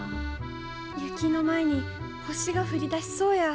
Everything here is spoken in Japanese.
雪の前に星が降り出しそうや。